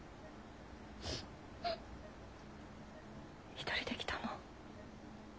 一人で来たの？